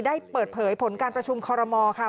ได้เปิดเผยผลการประชุมคอรมอลค่ะ